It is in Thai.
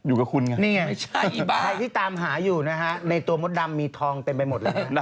อยู่กับคุณไงนี่ไงใครที่ตามหาอยู่นะฮะในตัวมดดำมีทองเต็มไปหมดเลย